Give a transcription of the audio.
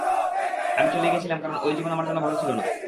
আমি চলে গিয়েছিলাম কারণ ওই জীবন আমার জন্য ভালো ছিলো না।